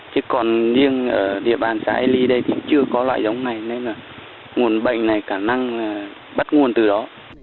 chứ còn riêng ở địa bàn xã eali đây thì chưa có loại giống này nên là nguồn bệnh này khả năng bắt nguồn từ đó